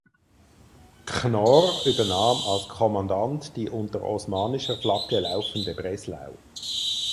Knorr übernahm als Kommandant die unter osmanischer Flagge laufende "Breslau".